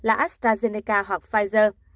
astrazeneca hoặc pfizer